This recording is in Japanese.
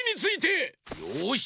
よし。